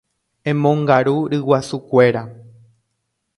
Emongaru ryguasukuéra.